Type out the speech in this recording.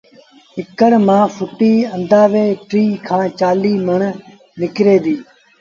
هڪڙي مآݩ ڦُٽيٚ آݩدآزن ٽيٚه کآݩ چآليٚه مڻ نڪري ديٚ